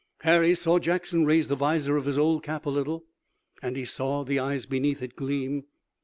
Harry saw Jackson raise the visor of his old cap a little, and he saw the eyes beneath it gleam.